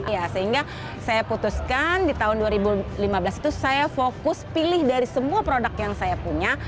ya sehingga saya putuskan di tahun dua ribu lima belas itu saya fokus pilih dari semua produk yang saya punya